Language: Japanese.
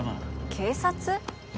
警察？